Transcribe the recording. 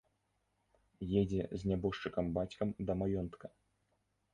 Едзе з нябожчыкам бацькам да маёнтка.